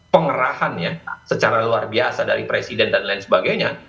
pengerahan ya secara luar biasa dari presiden dan lain sebagainya